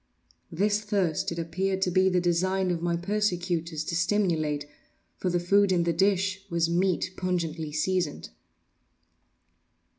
This thirst it appeared to be the design of my persecutors to stimulate—for the food in the dish was meat pungently seasoned.